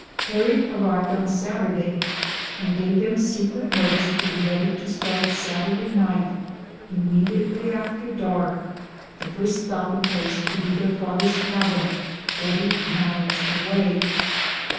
Harriet arrived on Saturday, and gave them secret notice to be ready to start Saturday night, immediately after dark, the first stopping place to be their father's cabin, forty miles away.